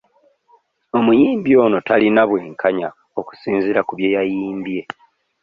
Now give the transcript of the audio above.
Omuyimbi oyo talina bwenkanya okusinziira ku bye yayimbye.